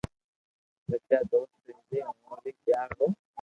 سچا دوست ري جي اووہ ري پيار رو